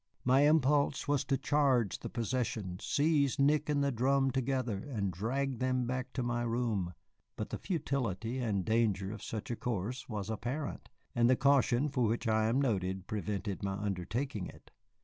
My impulse was to charge the procession, seize Nick and the drum together, and drag them back to my room; but the futility and danger of such a course were apparent, and the caution for which I am noted prevented my undertaking it.